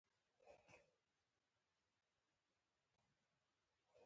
عبارت تر کلیمې غټ او تر جملې کوچنی دئ